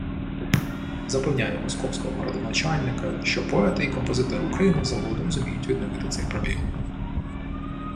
Запевняю московського градоначальника, що поети і композитори України згодом зуміють відновити цей пробіл